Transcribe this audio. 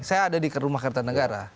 saya ada di rumah kertanegara